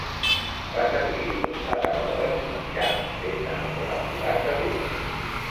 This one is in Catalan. Va servir-ho en una "taula de trinxar" feta amb una fogassa dura.